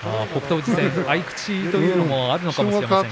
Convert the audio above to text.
富士戦合い口というのもあるかもしれません。